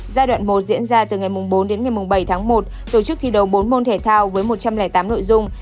giai đoạn một diễn ra từ ngày bốn đến ngày bảy tháng một tổ chức thi đấu bốn môn thể thao với một trăm linh tám nội dung